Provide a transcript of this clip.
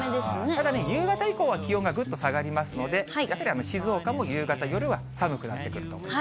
ただ、夕方以降はぐっと下がりますので、やっぱり静岡も夕方、夜は寒くなってくると。